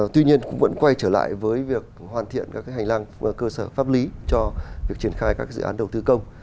tuy nhiên cũng vẫn quay trở lại với việc hoàn thiện các hành lang cơ sở pháp lý cho việc triển khai các dự án đầu tư công